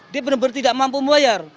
dia benar benar tidak mampu membayar